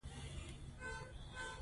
سکواټوران د اسټرالیا مشران شول.